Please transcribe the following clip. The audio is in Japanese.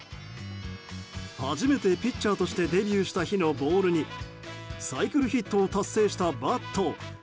初めてピッチャーとしてデビューした日のボールにサイクルヒットを達成したバット。